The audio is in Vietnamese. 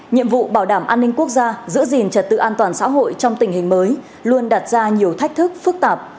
nhiệm vụ bảo đảm an ninh quốc gia giữ gìn trật tự an toàn xã hội trong tình hình mới luôn đặt ra nhiều thách thức phức tạp